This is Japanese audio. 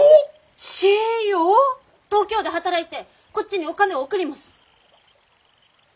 東京で働いてこっちにお金を送ります。